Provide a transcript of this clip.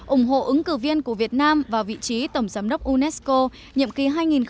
ủng hộ ứng cử viên của việt nam vào vị trí tổng giám đốc unesco nhiệm kỳ hai nghìn một mươi bảy hai nghìn hai mươi một